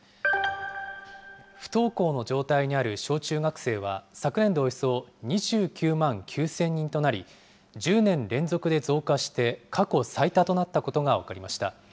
不登校の状態にある小中学生は、昨年度およそ２９万９０００人となり、１０年連続で増加して過去最多となったことが分かりました。